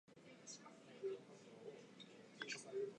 此处贡献的语句将被添加到采用许可证的公开数据集中。